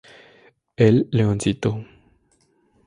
El Leoncito